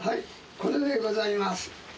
これでございます。